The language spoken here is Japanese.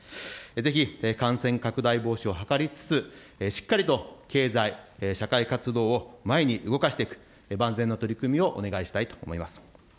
ぜひ、感染拡大防止を図りつつ、しっかりと経済社会活動を前に動かしていく、万全の取り組みをお願いしたいと思います。